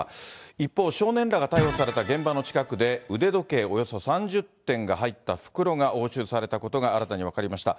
一方、少年らが逮捕された現場の近くで、腕時計およそ３０点が入った袋が押収されたことが新たに分かりました。